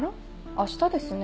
明日ですね。